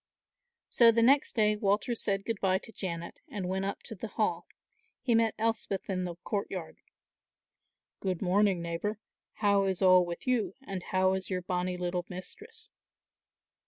So the next day Walter said good bye to Janet and went up to the Hall. He met Elspeth in the courtyard. "Good morning, neighbour, how is all with you and how is your bonnie little mistress?"